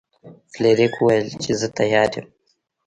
فلیریک وویل چې زه تیار یم.